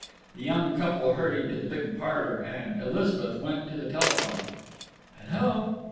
The young couple hurried to the big parlour, and Elizabeth went to the telephone. "Hullo?..."